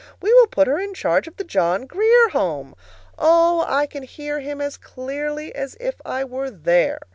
We will put her in charge of the John Grier Home." Oh, I can hear him as clearly as if I were there!